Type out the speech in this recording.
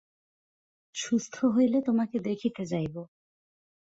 সুস্থ হইলে তোমাকে দেখিতে যাইব।